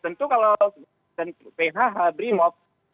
tentu kalau phh brimob